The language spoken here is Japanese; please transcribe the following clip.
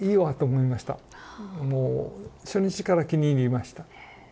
もう初日から気に入りました。